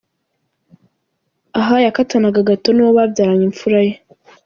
Aha yakatanaga gateau n'uwo babyaranye imfura ye .